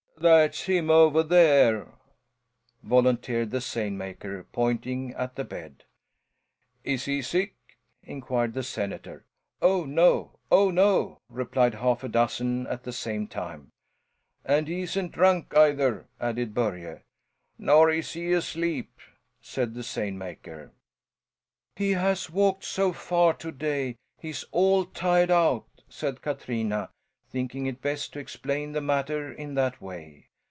"That's him over there," volunteered the seine maker, pointing at the bed. "Is he sick?" inquired the senator. "Oh, no! Oh, no!" replied half a dozen at the same time. "And he isn't drunk, either," added Börje. "Nor is he asleep," said the seine maker. "He has walked so far to day he's all tired out," said Katrina, thinking it best to explain the matter in that way.